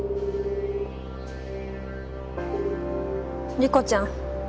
理子ちゃん？